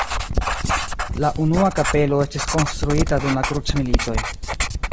La unua kapelo estis konstruita dum la krucmilitoj.